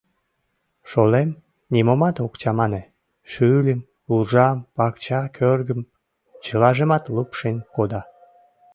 Шолем нимомат ок чамане: шӱльым, уржам, пакча кӧргым — чылажымат лупшен кода.